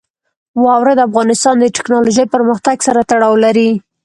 واوره د افغانستان د تکنالوژۍ پرمختګ سره تړاو لري.